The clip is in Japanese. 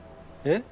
えっ？